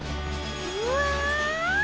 うわ！